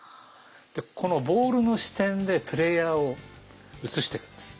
このボールの視点でプレーヤーを映してるんです。